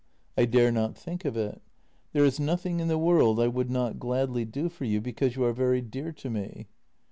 I dare not think of it. There is nothing in the world I would not gladly do for you, because you are very dear to me."